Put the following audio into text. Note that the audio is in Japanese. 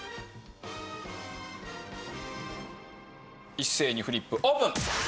一斉にフリップオープン！